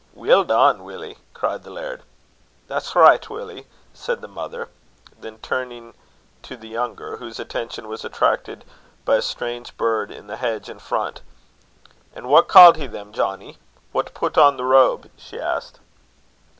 "Weel done, Willie!" cried the laird. "That's richt, Willie," said his mother. Then turning to the younger, whose attention was attracted by a strange bird in the hedge in front. "An' what called he them, Johnnie, that put on the robe?" she asked.